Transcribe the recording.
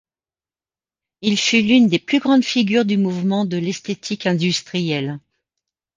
Il fut l'une des grandes figures du mouvement de l'esthétique industrielle.